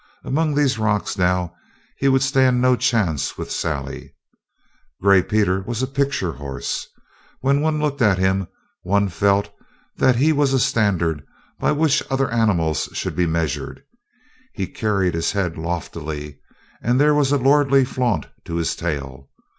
Among these rocks, now, he would stand no chance with Sally. Gray Peter was a picture horse. When one looked at him one felt that he was a standard by which other animals should be measured. He carried his head loftily, and there was a lordly flaunt to his tail.